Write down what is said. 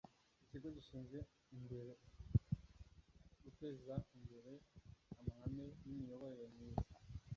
ikigo gishize imbere guteza imbere amahame y' imiyoborere myiza